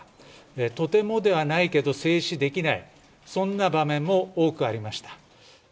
とてもではないけれども正視できない、そんな場面も多くありました。